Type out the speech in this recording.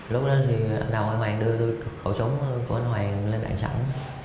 lúc đó thì anh đạo hoàng đưa tôi khẩu súng của anh hoàng lên đạn sẵn